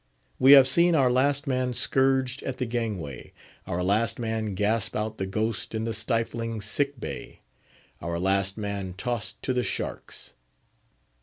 We have seen our last man scourged at the gangway; our last man gasp out the ghost in the stifling Sick bay; our last man tossed to the sharks.